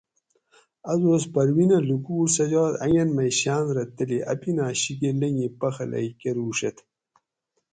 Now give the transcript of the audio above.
ا دوس پروینہ لُوکوٹ سجاد انگۤن مئی شاۤن رہ تلی اپینہ شِیکہ لنگی پخۤلئی کۤروڛیت